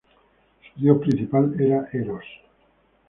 Su dios principal era Eros.